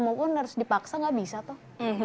move on harus dipaksa gak bisa toh